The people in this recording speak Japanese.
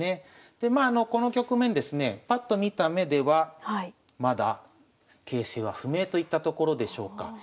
でまあこの局面ですねパッと見た目ではまだ形勢は不明といったところでしょうか。